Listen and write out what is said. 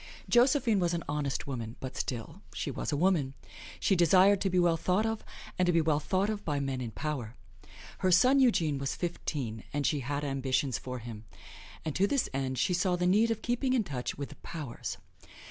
Josephine was an honest woman, but still, she was a woman. She desired to be well thought of, and to be well thought of by men in power. Her son Eugene was fifteen, and she had ambitions for him; and to this end she saw the need of keeping in touch with the Powers.